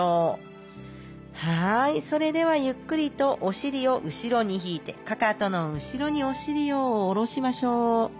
はいそれではゆっくりとお尻を後ろに引いてかかとの後ろにお尻を下ろしましょう。